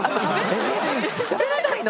しゃべらないの？